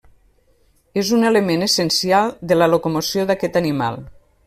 És un element essencial de la locomoció d'aquest animal.